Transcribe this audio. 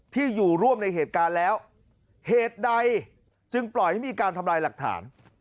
ที่อยู่ร่วมในเหตุการณ์แล้วเหตุใดจึงปล่อยให้มีการทำลายหลักฐาน